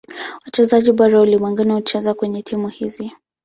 Wachezaji bora ulimwenguni hucheza kwenye timu hizi.